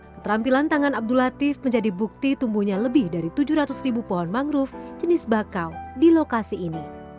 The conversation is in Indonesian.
keterampilan tangan abdul latif menjadi bukti tumbuhnya lebih dari tujuh ratus ribu pohon mangrove jenis bakau di lokasi ini